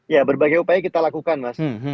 ya berbagai upaya kita lakukan mas